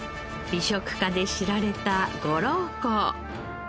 美食家で知られたご老公。